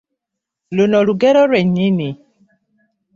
Luno lugero lwe nnyini.